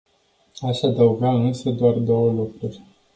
Aș adăuga însă doar două lucruri.